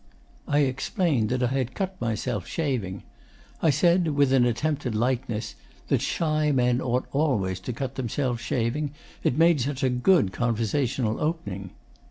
I explained that I had cut myself shaving. I said, with an attempt at lightness, that shy men ought always to cut themselves shaving: it made such a good conversational opening.